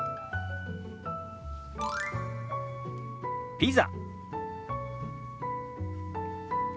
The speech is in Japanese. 「ピザ」。